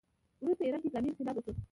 وروسته ایران کې اسلامي انقلاب وشو